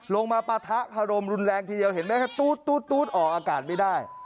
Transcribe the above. มาปะทะคารมรุนแรงทีเดียวเห็นไหมครับตู๊ดออกอากาศไม่ได้